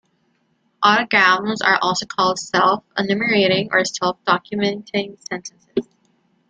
Autograms are also called 'self-enumerating' or 'self-documenting' sentences.